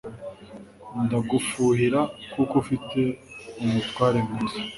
Ndagufuhira kuko ufite umutware mwiza.